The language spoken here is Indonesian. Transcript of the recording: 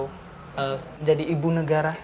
menjadi ibu negara